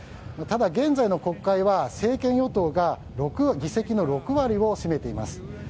ただ、現在の国会は政権与党が議席の６割を占めています。